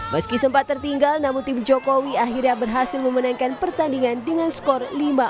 meski sempat tertinggal namun tim jokowi akhirnya berhasil memenangkan pertandingan dengan skor lima empat